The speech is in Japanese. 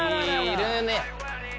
いるね。